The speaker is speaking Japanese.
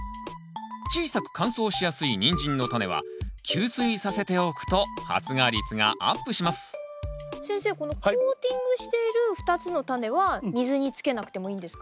小さく乾燥しやすいニンジンのタネは吸水させておくと発芽率がアップします先生このコーティングしている２つのタネは水につけなくてもいいんですか？